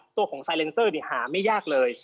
ตัวของไซเลนเซอร์หาไม่ยากเลย